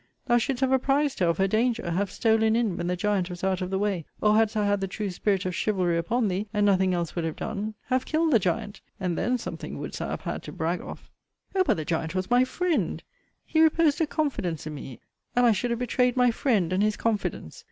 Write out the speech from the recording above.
Thou shouldst have apprized her of her danger; have stolen in, when the giant was out of the way; or, hadst thou had the true spirit of chivalry upon thee, and nothing else would have done, have killed the giant; and then something wouldst thou have had to brag of. 'Oh! but the giant was my friend: he reposed a confidence in me: and I should have betrayed my friend, and his confidence!'